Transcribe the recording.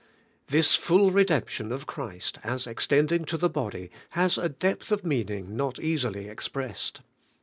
This full redemption of Christ as extending to the body, has a depth of meaning not easily expressed.